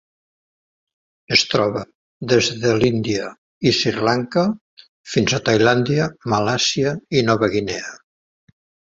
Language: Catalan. Es troba des de l'Índia i Sri Lanka fins a Tailàndia, Malàisia i Nova Guinea.